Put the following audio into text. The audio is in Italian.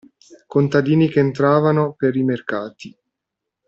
Contadini che entravano per i mercati.